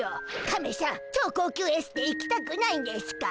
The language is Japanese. カメしゃん超高級エステ行きたくないんでしゅか？